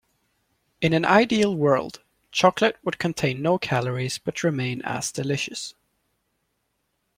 In an ideal world, chocolate would contain no calories but remain as delicious.